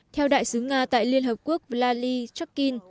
theo đại sứ nga tại liên hợp quốc vladi chukin